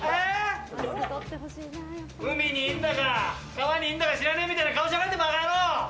海にいるんだか川にいるんだか知らねえという顔しやがって、馬鹿やろう。